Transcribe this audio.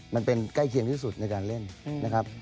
ใกล้เคียงที่สุดในการเล่นนะครับ